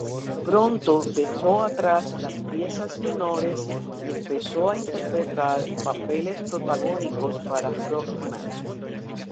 Pronto dejó atrás las piezas menores y empezó a interpretar papeles protagónicos para Frohman.